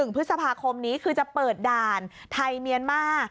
๑พฤษภาคมนี้คือจะเปิดด่านไทยเมียนมาร์